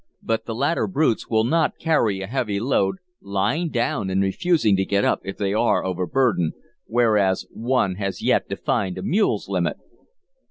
But the latter brutes will not carry a heavy load, lying down and refusing to get up if they are overburdened, whereas one has yet to find a mule's limit.